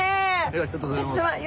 ありがとうございます。